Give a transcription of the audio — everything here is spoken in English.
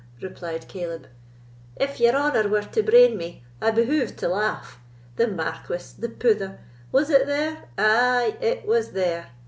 replied Caleb,—"if your honour were to brain me, I behooved to laugh,—the Marquis—the pouther! Was it there? Ay, it was there.